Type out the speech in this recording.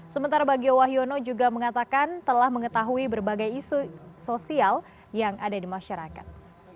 sementara bagio wahyono juga mengatakan telah mengetahui berbagai isu sosial yang ada di masyarakat